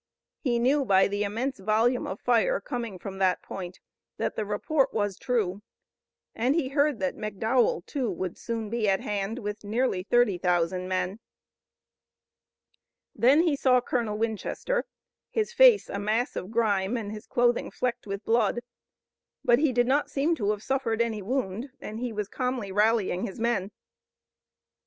He knew by the immense volume of fire coming from that point that the report was true, and he heard that McDowell, too, would soon be at hand with nearly thirty thousand men. Then he saw Colonel Winchester, his face a mass of grime and his clothing flecked with blood. But he did not seem to have suffered any wound and he was calmly rallying his men.